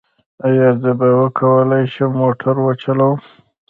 ایا زه به وکولی شم موټر وچلوم؟